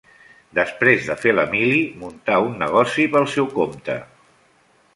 Després de fer la mili muntà un negoci pel seu compte.